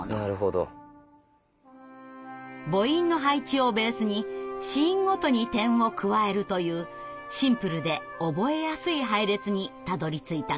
母音の配置をベースに子音ごとに点を加えるというシンプルで覚えやすい配列にたどりついたのです。